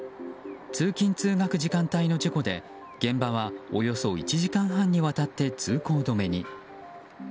通勤・通学時間帯の事故で現場はおよそ１時間半にわたって通行止めに。